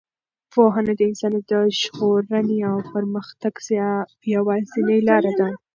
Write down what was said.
پوهنه د انسانیت د ژغورنې او د پرمختګ یوازینۍ لاره ده.